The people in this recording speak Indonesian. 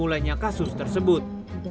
mulainya kasus tersebut